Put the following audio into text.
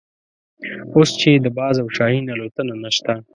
اوس چې د باز او شاهین الوتنه نشته.